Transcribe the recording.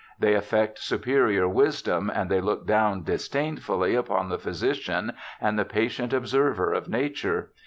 They affect superior wisdom, and they look down disdainfully upon the physician, and the patient observer of nature.